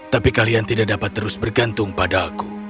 tapi kalian tidak dapat terus bergantung padaku